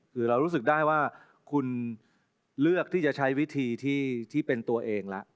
คือเรารู้สึกได้ว่าคุณเลือกที่จะใช้วิธีที่เป็นตัวเองแล้ว